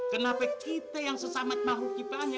kenapa kita yang sesama makhluk kitanya